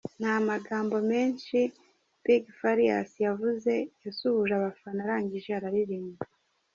Nta magambo menshi Big Farious yavuze, yasuhuje abafana arangije araririmba.